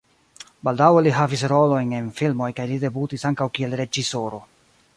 Baldaŭe li havis rolojn en filmoj kaj li debutis ankaŭ kiel reĝisoro.